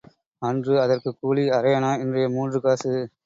அன்று அதற்குக் கூலி அரையணா இன்றைய மூன்று காசு.